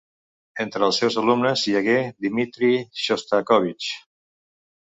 Entre els seus alumnes hi hagué Dmitri Xostakóvitx.